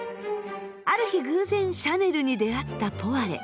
ある日偶然シャネルに出会ったポワレ。